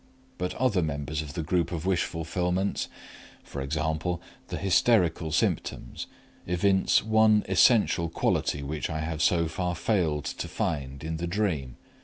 But other members of this group of wish fulfillments, e.g., the hysterical symptoms, evince one essential quality which I have so far failed to find in the dream.